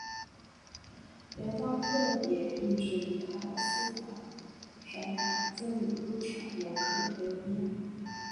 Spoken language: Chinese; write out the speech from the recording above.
园方特别印制一套四款闪卡赠予入场游客留念。